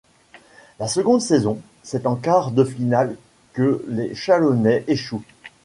La seconde saison, c'est en quart de finale que les Chalonnais échoue.